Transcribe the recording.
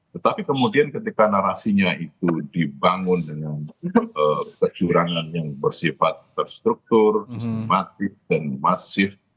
tetapi kemudian ketika narasinya itu dibangun dengan kecurangan yang bersifat terstruktur sistematik dan masif